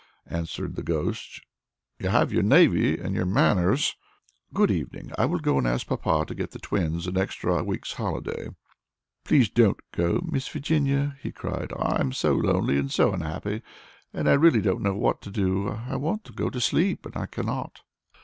answered the Ghost; "you have your navy and your manners." "Good evening; I will go and ask papa to get the twins an extra week's holiday." "Please don't go, Miss Virginia," he cried; "I am so lonely and so unhappy, and I really don't know what to do. I want to go to sleep and I cannot."